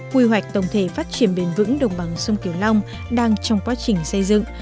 quy hoạch tổng thể phát triển bền vững đồng bằng sông kiều long đang trong quá trình xây dựng